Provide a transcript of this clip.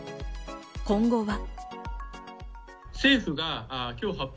今後は。